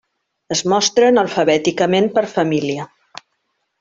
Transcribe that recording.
Es mostren alfabèticament per família.